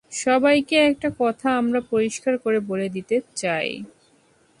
সবাইকে একটা কথা আমরা পরিষ্কার করে বলে দিতে চাই।